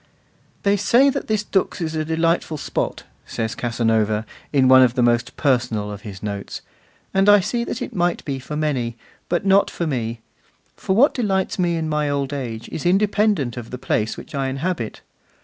'They say that this Dux is a delightful spot,' says Casanova in one of the most personal of his notes, 'and I see that it might be for many; but not for me, for what delights me in my old age is independent of the place which I inhabit.